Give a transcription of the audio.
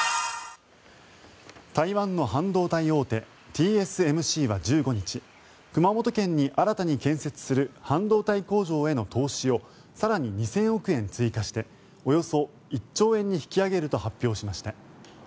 台湾の半導体大手ＴＳＭＣは１５日熊本県に新たに建設する半導体工場への投資を更に２０００億円追加しておよそ１兆円に引き上げると発表しました。